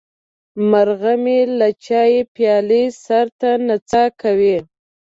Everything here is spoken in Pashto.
مرغه مې د چای پیاله سر ته نڅا کوي.